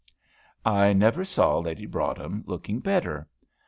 I never saw Lady Broadhem looking better.